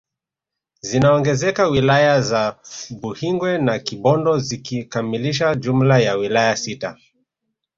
Zinaongezeka wilaya za Buhingwe na Kibondo zikikamilisha jumla ya wilaya sita